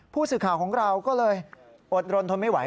ผู้สื่อข่าวของเราก็เลยอดรนทนไม่ไหว